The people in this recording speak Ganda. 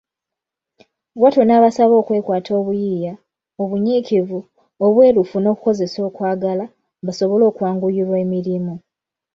Bw'atyo n'abasaba okwekwata obuyiiya, obunyikivu, obwerufu n'okukozesa okwagala, basobole okwanguyirwa emirimu.